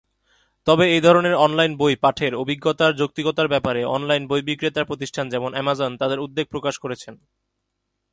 তবে এধরনের অনলাইন বই পাঠের অভিজ্ঞতার যৌক্তিকতার ব্যাপারে অনলাইন বই বিক্রেতা প্রতিষ্ঠান যেমন আমাজন তাদের উদ্বেগ প্রকাশ করেছে।